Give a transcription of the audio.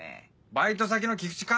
バイト先の菊池か！